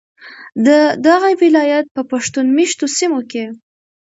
ددغه ولایت په پښتون میشتو سیمو کې